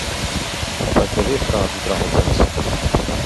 Vai tev ir kādas draudzenes?